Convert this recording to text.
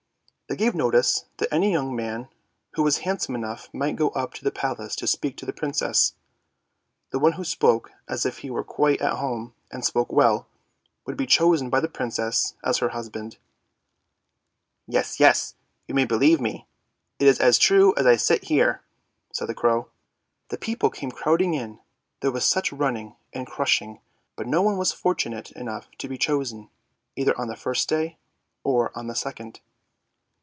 They gave notice that any young man who was handsome enough might go up to the Palace to speak to the Princess. The one who spoke as if he were quite at home, and spoke well, would be chosen by the Princess as her husband. Yes, yes, you may believe me, it's as true as I sit here," said the crow. " The people came crowding in; there was such running, and crushing, but no one was fortunate enough to be chosen, either on the first day, or on the second.